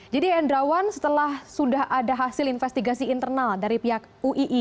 jadi yendrawan setelah sudah ada hasil investigasi internal dari pihak uii